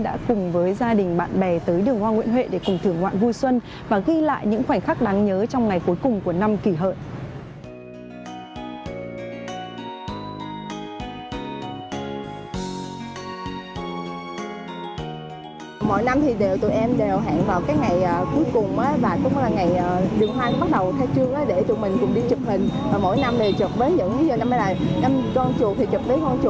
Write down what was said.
và mỗi năm thì chụp với những năm nay là năm con chuột thì chụp với con chuột